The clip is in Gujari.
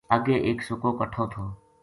اگے ایک سُکو کٹھو تھو